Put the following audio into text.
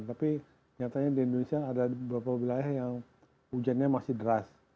tapi nyatanya di indonesia ada beberapa wilayah yang hujannya masih deras